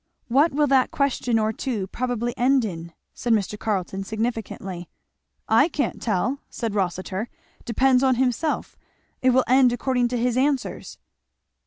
"What will that question or two probably end in?" said Mr. Carleton significantly. "I can't tell!" said Rossitur, "depends on himself it will end according to his answers."